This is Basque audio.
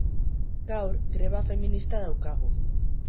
Gaur greba feminista daukagu